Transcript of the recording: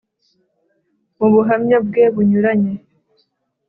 mu buhamya bwe bunyuranye,